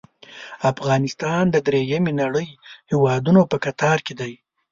افغانستان د دریمې نړۍ هیوادونو په کتار کې دی.